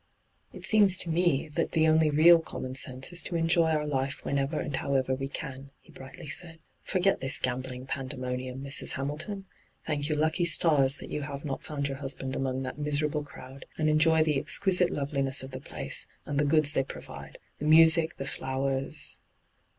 ' It seems to me that the only real common sense is to enjoy our life whenever and how ever we can/ he brightly said. ' Forget this gambling pandemonium, Mrs. Hamilton I Thank your lucky stars that you have not found your husband among that miserable crowd, and enjoy the exquisite loveliness of the place, and the goods they provide — the music, the fiowers.